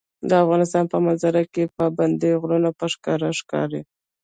د افغانستان په منظره کې پابندي غرونه په ښکاره ښکاري.